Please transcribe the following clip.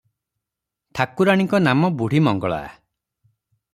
ଠାକୁରାଣୀଙ୍କ ନାମ ବୁଢ଼ୀମଙ୍ଗଳା ।